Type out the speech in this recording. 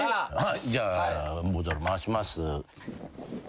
じゃあボトル回します。